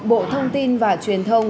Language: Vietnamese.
bộ thông tin và truyền thông